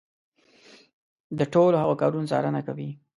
د ټولو هغو کارونو څارنه کوي.